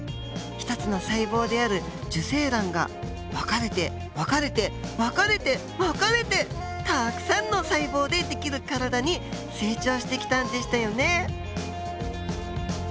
１つの細胞である受精卵が分かれて分かれて分かれて分かれてたくさんの細胞でできる体に成長してきたんでしたよね。